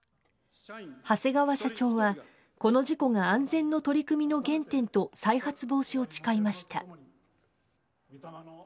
長谷川社長は、この事故が安全の取り組みの原点と、再発防止を誓いました。